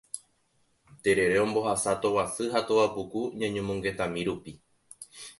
Terere ombohasa tovasy ha tovapuku ñañomongetami rupi.